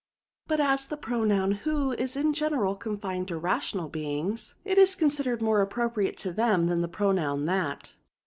But as the pronoun who is in general confined to rational beings, it i» considered more appropriate to them than the pronoun that.